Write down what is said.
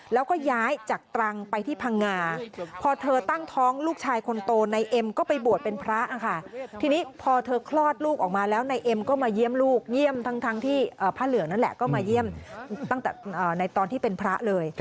แล้วก็ย้ายจากตรังไปที่พังงาพอเธอตั้งท้องลูกชายคนโตนายเอ็มก็ไปบวชเป็นพระค่ะทีนี้พอเธอคลอดลูกออกมาแล้วนายเอ็มก็มาเยี่ยมลูกเยี่ยมทั้งที่พระเหลืองนั่นแหละก็มาเยี่ยมตั้งแต่ในตอนที่เป็นพระเลย